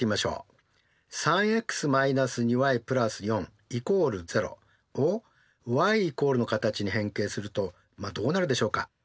３ｘ−２ｙ＋４＝０をｙ＝の形に変形するとどうなるでしょうか？